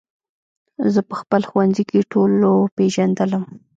زه په خپل ښوونځي کې ټولو پېژندلم